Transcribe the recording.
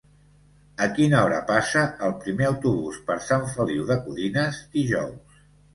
A quina hora passa el primer autobús per Sant Feliu de Codines dijous?